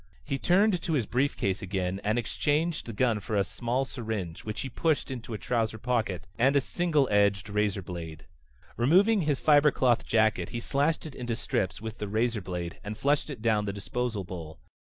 He turned to his briefcase again and exchanged the gun for a small syringe, which he pushed into a trouser pocket, and a single edged razor blade. Removing his fiber cloth jacket he slashed it into strips with the razor blade and flushed it down the disposal bowl.